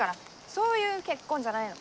そういう結婚じゃないの。